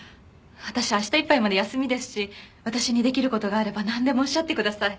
私明日いっぱいまで休みですし私に出来る事があればなんでもおっしゃってください。